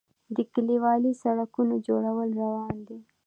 د کلیوالي سړکونو جوړول روان دي